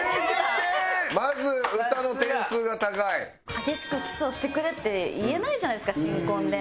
激しくキスをしてくれって言えないじゃないですか新婚で。